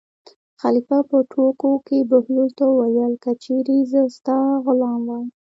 خلیفه په ټوکو کې بهلول ته وویل: که چېرې زه ستا غلام وای.